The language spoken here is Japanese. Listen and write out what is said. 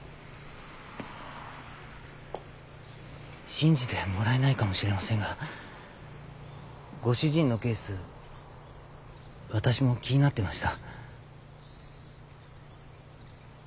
信じてもらえないかもしれませんがご主人のケース私も気になってました。